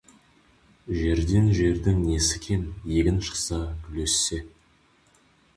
Жерден жердің несі кем, егін шықса, гүл өссе!